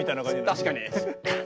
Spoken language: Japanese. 確かに。